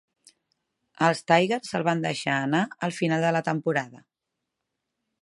Els Tigers el van deixar anar al final de la temporada.